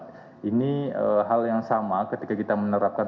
nah ini hal yang sama ketika kita menerapkan